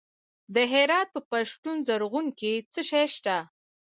د هرات په پشتون زرغون کې څه شی شته؟